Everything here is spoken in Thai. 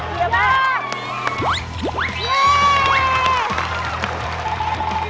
ผิดแล้วผิดแล้ว